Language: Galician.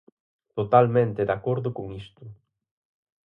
Totalmente de acordo con isto.